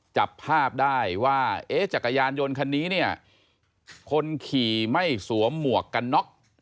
จับภาพได้ว่าจักรยานยนต์คันนี้เนี่ยคนขี่ไม่สวมหมวกกันน็อก